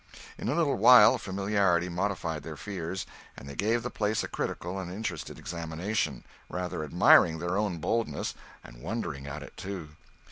In a little while familiarity modified their fears and they gave the place a critical and interested examination, rather admiring their own boldness, and wondering at it, too.